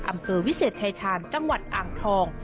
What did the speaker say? อำเภอวิเศษชายชาญจังหวัดอ่างทอง